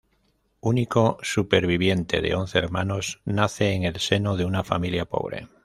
Único superviviente de once hermanos, nace en el seno de una familia pobre.